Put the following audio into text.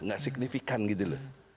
enggak signifikan gitu loh